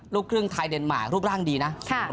ลูกครึ่งไทยเดนมาร์รูปร่างดีนะ